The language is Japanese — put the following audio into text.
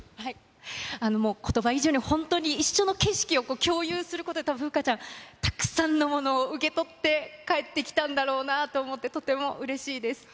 ことば以上に本当に、一緒に景色を共有すること、たぶん風花ちゃん、たくさんのものを受け取って帰ってきたんだろうなと思って、とてもうれしいです。